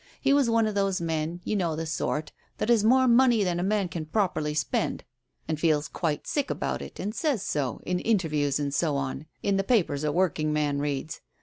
He was one of those men, you know the sort, that has more money than a man can properly spend, and feels quite sick about it, and says so, in interviews and so on, in the papers a working man reads.